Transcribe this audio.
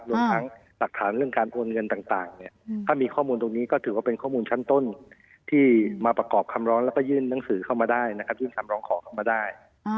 รวมทั้งหลักฐานเรื่องการโอนเงินต่างเนี่ยถ้ามีข้อมูลตรงนี้ก็ถือว่าเป็นข้อมูลชั้นต้นที่มาประกอบคำร้องแล้วก็ยื่นหนังสือเข้ามาได้นะครับยื่นคำร้องขอเข้ามาได้